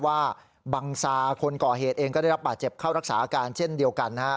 ว่าบังซาคนก่อเหตุเองก็ได้รับบาดเจ็บเข้ารักษาอาการเช่นเดียวกันนะครับ